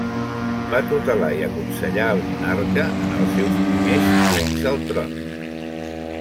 Va tutelar i aconsellar el monarca en els seus primers anys al tron.